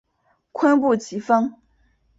坤布崎峰